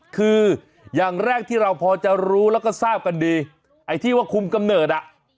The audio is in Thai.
คืออย่างแรกที่เราพอจะรู้แล้วก็ทราบกันดีไอ้ที่ว่าคุมกำเนิดอ่ะ